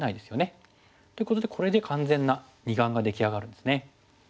っていうことでこれで完全な二眼が出来上がるんですね。